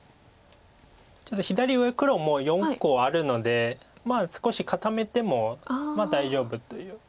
ちょっと左上黒も４個あるので少し固めても大丈夫という。